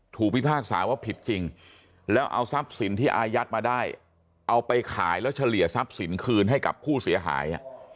พิพากษาว่าผิดจริงแล้วเอาทรัพย์สินที่อายัดมาได้เอาไปขายแล้วเฉลี่ยทรัพย์สินคืนให้กับผู้เสียหาย